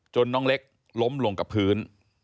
น้องเล็กล้มลงกับพื้น